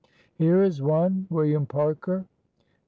"Here is one. William Parker."